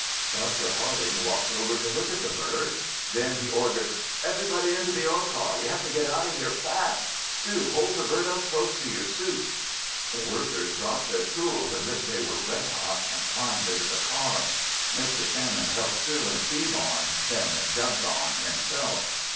Dr. Harding walked over to look at the bird. Then he ordered, "Everybody into the ore car! We have to get out of here fast! Sue, hold the bird up close to your suit!" The workers dropped their tools as if they were red hot and climbed into the car. Mr. Shannon helped Sue and Steve on, then jumped on himself.